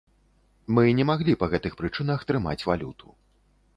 Мы не маглі па гэтых прычынах трымаць валюту.